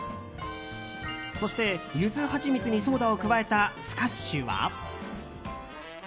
そして、ユズハチミツにソーダを加えたスカッシュは。